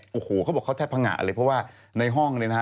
โอ้โหเขาบอกเขาแทบพังงะเลยเพราะว่าในห้องเนี่ยนะฮะ